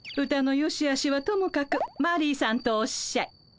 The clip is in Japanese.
歌のよしあしはともかくマリーさんとおっしゃい。